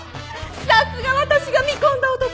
さすが私が見込んだ男！